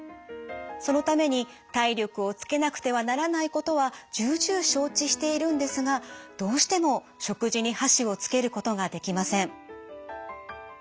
そのために体力をつけなくてはならないことは重々承知しているんですがどうしても食事に箸をつけることができません。